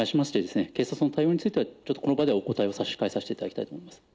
個別の案件に関しまして、警察の対応については、ちょっとこの場ではお答えを差し控えさせていただきたいと思います。